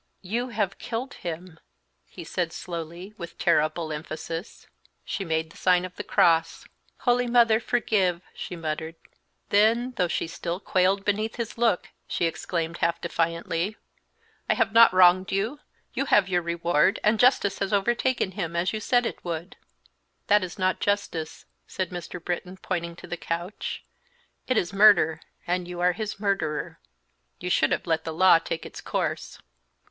"You have killed him!" he said, slowly, with terrible emphasis. She made the sign of the cross. "Holy Mother, forgive!" she muttered; then, though she still quailed beneath his look, she exclaimed, half defiantly, "I have not wronged you; you have your reward, and justice has overtaken him, as you said it would!" "That is not justice," said Mr. Britton, pointing to the couch; "it is murder, and you are his murderer. You should have let the law take its course."